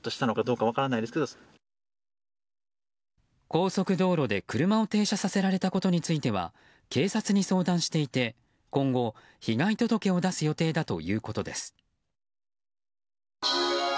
高速道路で車を停車させられたことについては警察に相談していて今後、被害届を出す予定だということです。